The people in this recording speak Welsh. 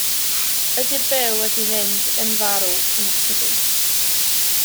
Ydi'r bêl wedi mynd yn farw – nac ydi.